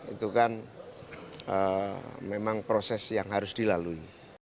itu kan memang proses yang harus dilalui